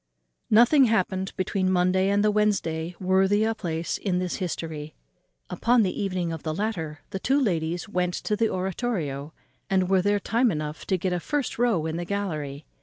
_ Nothing happened between the Monday and the Wednesday worthy a place in this history. Upon the evening of the latter the two ladies went to the oratorio, and were there time enough to get a first row in the gallery.